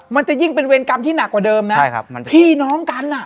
มันจะยิ่งเป็นเวรกรรมที่หนักกว่าเดิมนะ